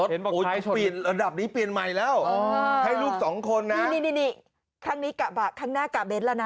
รถปีนระดับนี้ปีนใหม่แล้วให้ลูกสองคนนะนี่ข้างนี้กะบากข้างหน้ากะเบสแล้วนะ